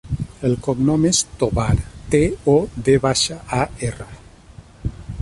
El cognom és Tovar: te, o, ve baixa, a, erra.